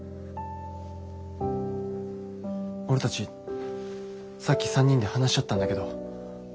俺たちさっき３人で話し合ったんだけど。